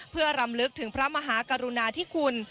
เพื่อรำลึกถึงพระมหากรุณาธิคุณ